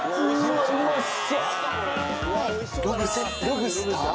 ロブスター？